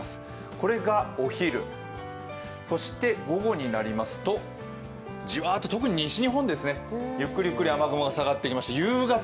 これがお昼、そして午後になりますとじわーっと特に西日本ですね、ゆっくりゆっくり雨雲が下がってきて夕方。